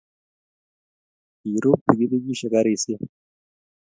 kirub pikipikisiek karisiek.